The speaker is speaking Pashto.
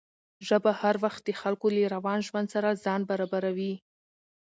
ژبه هر وخت د خلکو له روان ژوند سره ځان برابروي.